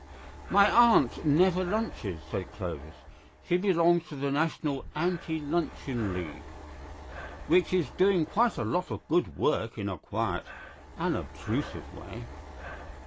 "My aunt never lunches," said Clovis; "she belongs to the National Anti Luncheon League, which is doing quite a lot of good work in a quiet, unobtrusive way.